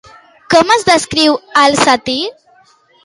Com es descriu al sàtir?